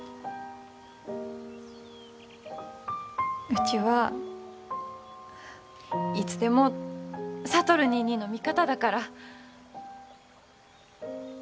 うちはいつでも智ニーニーの味方だから。